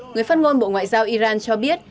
người phát ngôn bộ ngoại giao iran cho biết